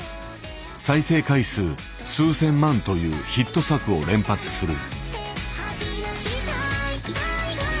再生回数数千万というヒット作を連発する。